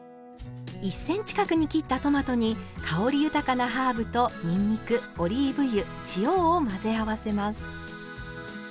１ｃｍ角に切ったトマトに香り豊かなハーブとにんにくオリーブ油塩を混ぜ合わせます。